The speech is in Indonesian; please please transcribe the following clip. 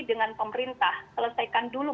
dengan pemerintah selesaikan dulu